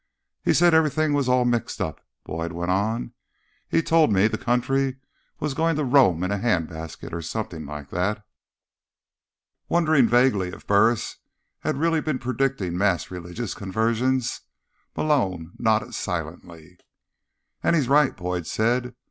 "He said everything was all mixed up," Boyd went on. "He told me the country was going to Rome in a handbasket, or something like that." Wondering vaguely if Burris had really been predicting mass religious conversions, Malone nodded silently. "And he's right," Boyd said.